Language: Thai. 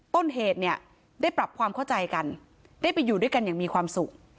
ต้นเหตุเนี่ยได้ปรับความเข้าใจกันได้ไปอยู่ด้วยกันอย่างมีความสุข